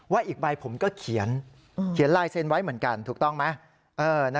อีกใบผมก็เขียนเขียนลายเซ็นไว้เหมือนกันถูกต้องไหม